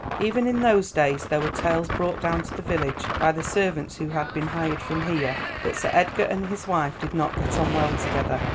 "Even in those days there were tales brought down to the village by the servants who had been hired from here, that Sir Edgar and his wife did not get on well together.